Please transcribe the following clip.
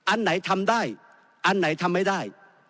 อันไหนทำได้อันไหนทำไม่ได้